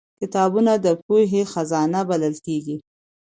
کتابونه د پوهې خزانه بلل کېږي